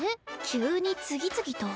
急に次々と。